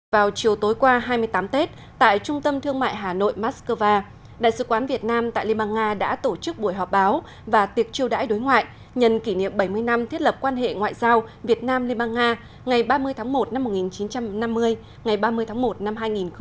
vào chiều tối qua hai mươi tám tết tại trung tâm thương mại hà nội moscow đại sứ quán việt nam tại liên bang nga đã tổ chức buổi họp báo và tiệc chiêu đãi đối ngoại nhân kỷ niệm bảy mươi năm thiết lập quan hệ ngoại giao việt nam liên bang nga ngày ba mươi tháng một năm một nghìn chín trăm năm mươi ngày ba mươi tháng một năm hai nghìn hai mươi